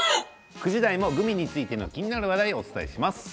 ９時台もグミについての気になる話題をお伝えします。